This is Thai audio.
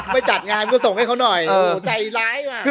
ไปจัดงานก็ส่งให้เขาหน่อยใจร้ายมาก